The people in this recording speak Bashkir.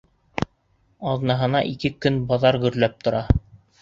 Аҙнаһына ике көн баҙар гөрләп тора.